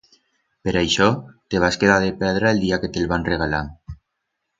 Per aixó, te vas quedar de pedra el día que te'l van regalar.